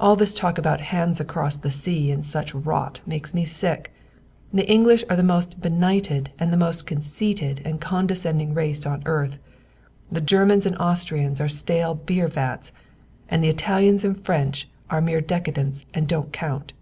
All this talk about hands across the sea and such rot makes me sick. The English are the most benighted and the most conceited and condescending race on earth; the Germans and Austrians are stale beer vats, and the Italians and French are mere decadents and don't count."